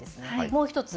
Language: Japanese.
もう１つ。